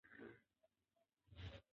یو قوي مشر د حل یوازینۍ لار بلل کېږي.